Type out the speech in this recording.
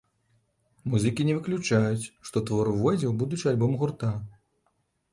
Музыкі не выключаюць, што твор увойдзе ў будучы альбом гурта.